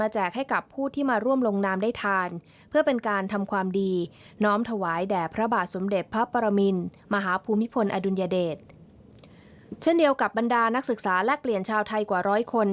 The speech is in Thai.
เช่นเดียวกับบรรดานักศึกษาแลกเปลี่ยนชาวไทยกว่าร้อยคน